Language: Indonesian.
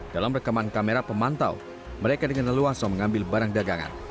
dalam rekaman kamera pemantau mereka dengan leluasa mengambil barang dagangan